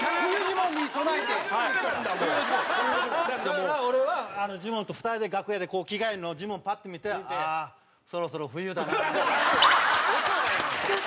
だから俺はジモンと２人で楽屋で着替えるのをジモンをパッと見て「ああそろそろ冬だな」って。嘘だよ！